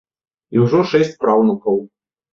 І ўжо шэсць праўнукаў.